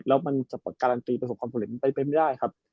แล้วมันจะปกการันตีประสบความผลิตไปไม่ได้ครับ